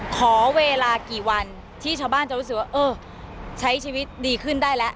ขอเวลากี่วันที่ชาวบ้านจะรู้สึกว่าเออใช้ชีวิตดีขึ้นได้แล้ว